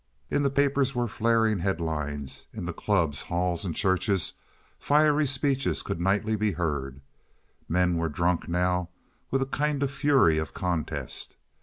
_ In the papers were flaring head lines; in the clubs, halls, and churches fiery speeches could nightly be heard. Men were drunk now with a kind of fury of contest.